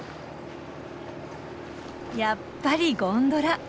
やっぱりゴンドラ。